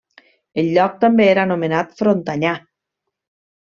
El lloc també era anomenat Frontanyà.